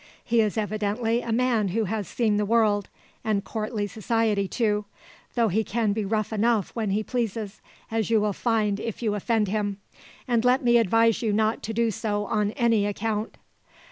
He is evidently a man who has seen the world, and courtly society too, though he can be rough enough when he pleases, as you will find if you offend him, and let me advise you not to do so on any account."